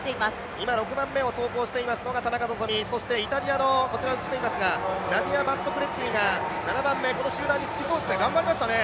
今６番目を走行しているのが田中希実、そしてイタリアのナディア・バットクレッティが７番目、この集団につきそうですね、頑張っていますね。